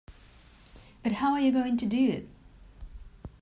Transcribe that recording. But how are you going to do it.